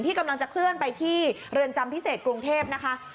กำลังจะเคลื่อนไปที่เรือนจำพิเศษกรุงเทพนะคะ